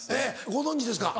ご存じですか？